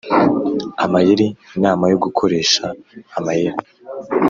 Amayeri inama yo gukoresha amayeri